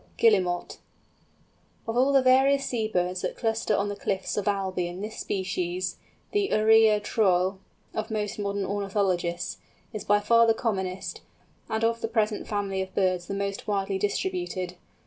GUILLEMOT. Of all the various sea birds that cluster on the cliffs of Albion this species, the Uria troile of most modern ornithologists, is by far the commonest, and of the present family of birds the most widely distributed.